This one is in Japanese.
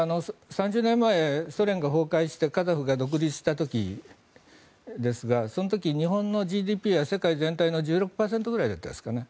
３０年前、ソ連が崩壊してカザフが独立した時ですがその時、日本のＧＤＰは世界全体の１６％ぐらいでしたかね。